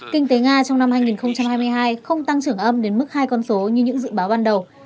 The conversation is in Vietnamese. kinh tế nga trong năm hai nghìn hai mươi hai không tăng trưởng âm đến mức hai con số như những dự báo ban đầu